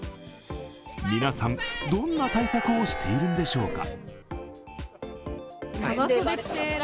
皆さん、どんな対策をしているんでしょうか。